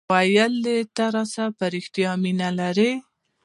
ویل یي ته راسره په ریښتیا مینه لرې